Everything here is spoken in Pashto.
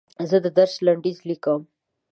زه د درس لنډیز لیکم.